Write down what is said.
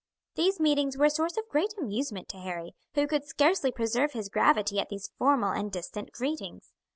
These meetings were a source of great amusement to Harry, who could scarcely preserve his gravity at these formal and distant greetings.